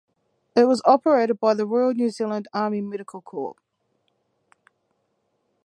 It was operated by the Royal New Zealand Army Medical Corps.